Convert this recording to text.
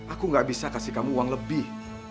aku gak bisa kasih kamu uang lebih